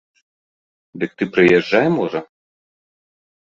Дык ты прыязджай, можа.